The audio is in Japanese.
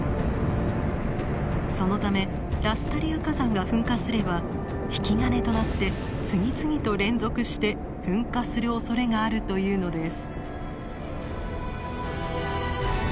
そのためラスタリア火山が噴火すれば引き金となって次々と連続して噴火するおそれがあるというのです。